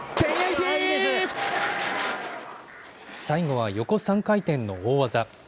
最後は横３回転の大技。